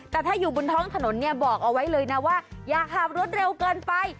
แต่ถ้าอยู่บนท้องถนนเนี่ยบอกเอาไว้เลยนะว่าอย่าขับรถเร็วเกินไป